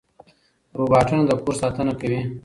روباټونه د کور ساتنه کوي.